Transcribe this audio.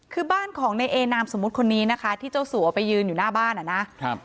คือบ้านของในเอนามสมมุติคนนี้นะคะที่เจ้าสัวไปยืนอยู่หน้าบ้านอ่ะนะครับ